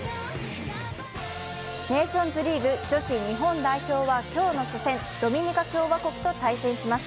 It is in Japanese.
ネーションズリーグ女子日本代表は今日の初戦、ドミニカ共和国と対戦します。